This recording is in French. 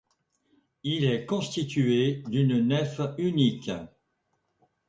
Il est constitué d'une nef unique.